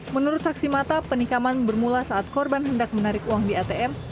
menurut saksi mata penikaman bermula saat korban hendak menarik uang di atm